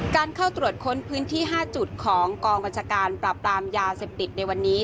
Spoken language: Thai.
การเข้าตรวจค้นพื้นที่๕จุดของกองบัญชาการปราบปรามยาเสพติดในวันนี้